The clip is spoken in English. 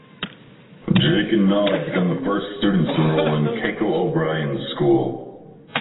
Jake and Nog become the first students to enroll in Keiko O'Brien's school.